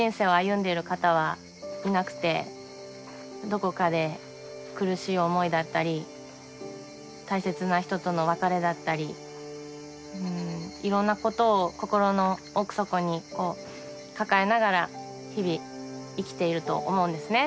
どこかで苦しい思いだったり大切な人との別れだったりいろんなことを心の奥底に抱えながら日々生きていると思うんですね。